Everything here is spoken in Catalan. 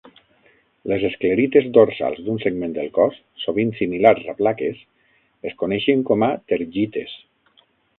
Les esclerites dorsals d'un segment del cos, sovint similars a plaques, es coneixen com a "tergites".